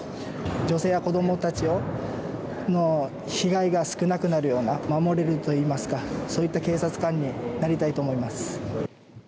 女性や子どもたちの被害が少なくなるような守れるといいますかそういった警察官になりたいと思います。